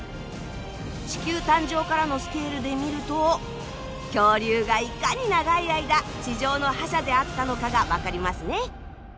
地球誕生からのスケールで見ると恐竜がいかに長い間地上の覇者であったのかが分かりますね。